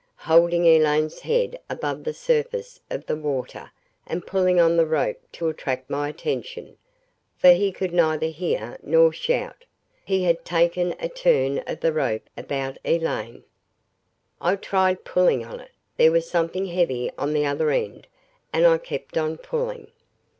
Holding Elaine's head above the surface of the water and pulling on the rope to attract my attention, for he could neither hear nor shout, he had taken a turn of the rope about Elaine. I tried pulling on it. There was something heavy on the other end and I kept on pulling.